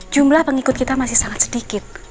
jumlah pengikut kita masih sangat sedikit